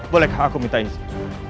bolehkah aku minta izin